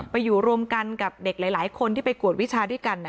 ไปอยู่รวมกันกับเด็กหลายคนที่ไปกวดวิชาด้วยกัน